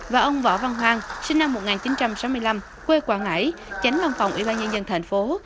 và ông võ văn hoàng sinh năm một nghìn chín trăm sáu mươi năm quê quảng ngãi chánh văn phòng ủy ban nhân dân tp hcm